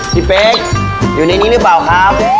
พี่เป๊กอยู่ในนี้หรือเปล่าครับ